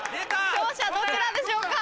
勝者どちらでしょうか？